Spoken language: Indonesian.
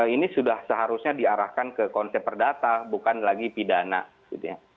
ini sudah seharusnya diarahkan ke konsep perdata bukan lagi pidana gitu ya